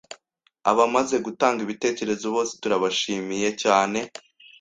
Abamaze gutanga ibitekerezo bose turabashimiye cyane.